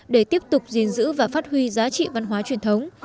để tiếp tục gìn giữ và phát huy giá trị văn hóa truyền thống